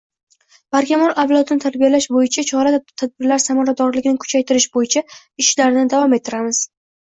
barkamol avlodni tarbiyalash bo‘yicha chora-tadbirlar samaradorligini kuchaytirish bo‘yicha ishlarni davom ettiramiz.